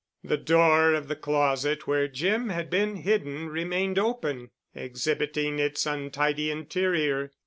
The door of the closet where Jim had been hidden remained open, exhibiting its untidy interior.